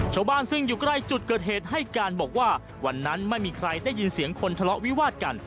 ชาวบ้านซึ่งอยู่ใกล้จุดเกิดเหตุให้การบอกว่าวันนั้นไม่มีใครได้ยินเสียงคนทะเลาะวิวาดกัน